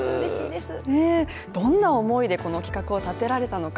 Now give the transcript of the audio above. どんな思いでこの企画を立てられたのか